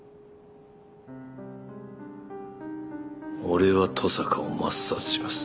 俺は登坂を抹殺します。